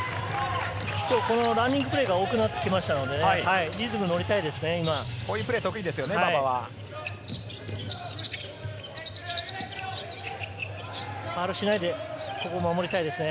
今日このランニングプレーが大きくなってきましたので、リズムに乗りたいですね。